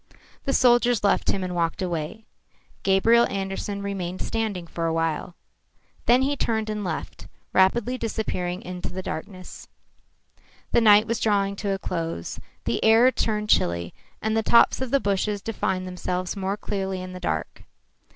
The soldiers left him and walked away. Gabriel Andersen remained standing for a while. Then he turned and left, rapidly disappearing in the darkness. The night was drawing to a close. The air turned chilly, and the tops of the bushes defined themselves more clearly in the dark.